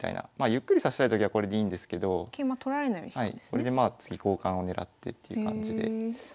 これでまあ次交換を狙ってっていう感じで指す手もあります。